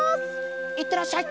いってらっしゃい！